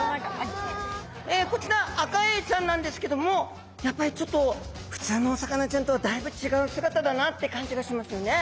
こちらアカエイちゃんなんですけどもやっぱりちょっと普通のお魚ちゃんとはだいぶ違う姿だなって感じがしますよね。